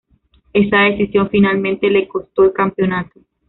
Esa decisión finalmente les costó el campeonato.